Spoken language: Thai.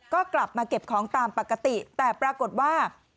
ก็กลับมาเก็บของตามปกติแต่ปรากฏว่า